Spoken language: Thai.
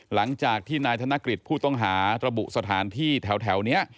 หลังจากที่นายธนกฤษผู้ต้องหาระบุสถานที่แถวนี้